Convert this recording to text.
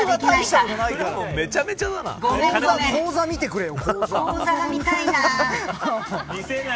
口座を見てくれよ。